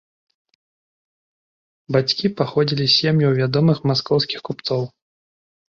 Бацькі паходзілі з сем'яў вядомых маскоўскіх купцоў.